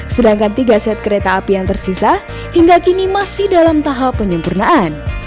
sedangkan tiga set kereta api yang tersisa hingga kini masih dalam tahap penyempurnaan